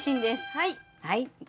はい。